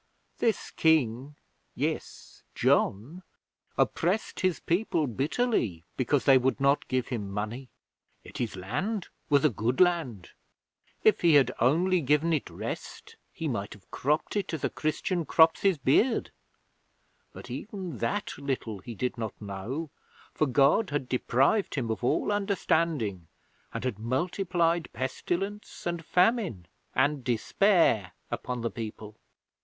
This King yes, John oppressed his people bitterly because they would not give him money. Yet his land was a good land. If he had only given it rest he might have cropped it as a Christian crops his beard. But even that little he did not know, for God had deprived him of all understanding, and had multiplied pestilence, and famine, and despair upon the people.